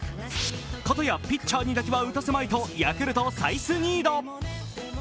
片やピッチャーにだけは打たすまいとヤクルト、サイスニード。